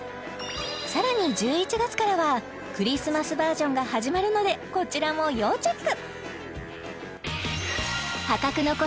さらに１１月からはクリスマスバージョンが始まるのでこちらも要チェック！